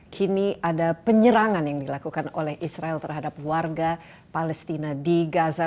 kini ada penyerangan yang dilakukan oleh israel terhadap warga palestina di gaza